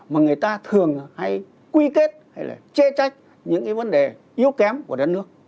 mà người ta thường hay quy kết hay là chê trách những cái vấn đề yếu kém của đất nước